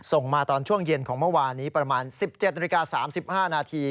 ส่งมาตอนช่วงเย็นของเมื่อวานนี้ประมาณ๑๗นาฬิกา๓๕นาที